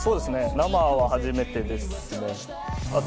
生は初めてですね。